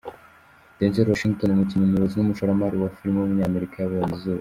Denzel Washington, umukinnyi, umuyobozi n’umushoramari wa filime w’umunyamerika yabonye izuba.